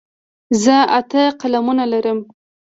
زه اته قلمونه لرم.